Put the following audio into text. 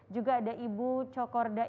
juga ada ibu cokorda